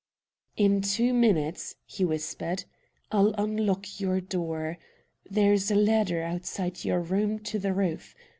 "In two minutes," he whispered, "I'll unlock your door. There's a ladder outside your room to the roof.